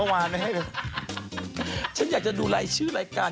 กระเทยเก่งกว่าเออแสดงความเป็นเจ้าข้าว